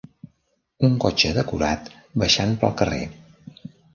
Un cotxe decorat baixant pel carrer.